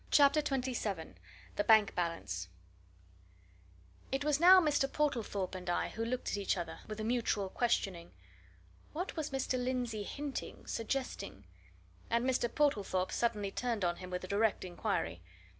CHAPTER XXVII THE BANK BALANCE It was now Mr. Portlethorpe and I who looked at each other with a mutual questioning. What was Mr. Lindsey hinting, suggesting? And Mr. Portlethorpe suddenly turned on him with a direct inquiry.